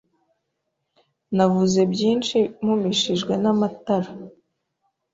Navuze byinshi mpumishijwe n'amatara